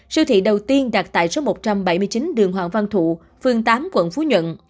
siêu thị đầu tiên đặt tại số một trăm bảy mươi chín đường hoàng văn thụ phường tám quận phú nhuận